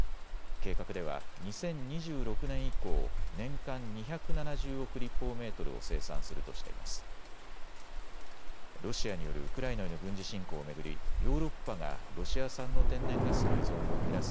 計画では２０２６年以降、年間２７０億立方メートルを生産するとしています。